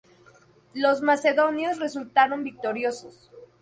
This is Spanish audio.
Los macedonios resultaron victoriosos.